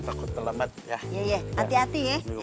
takut terlambat ya yaudah ya hati hati ya